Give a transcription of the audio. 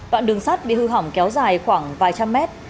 đoạn đường sắt bị hư hỏng kéo dài khoảng vài trăm mét